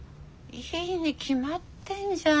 いいに決まってんじゃん。